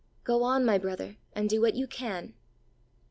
Go on, my brother, and do w'hat you can.